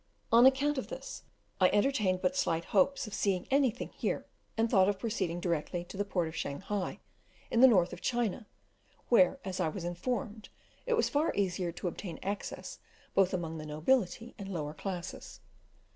On account of this, I entertained but slight hopes of seeing anything here, and thought of proceeding directly to the port of Shanghai, in the north of China, where, as I was informed, it was far easier to obtain access both among the nobility and lower classes.